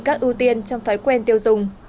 các ưu tiên trong thói quen tiêu dùng